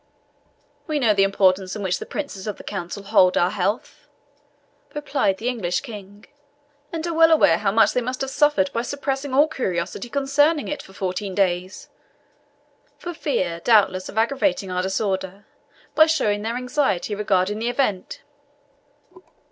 "We know the importance in which the princes of the Council hold our health," replied the English King; "and are well aware how much they must have suffered by suppressing all curiosity concerning it for fourteen days, for fear, doubtless, of aggravating our disorder, by showing their anxiety regarding the event."